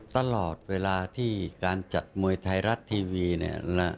ตลอดเวลาที่การจัดมวยไทยรัฐทีวีเนี่ย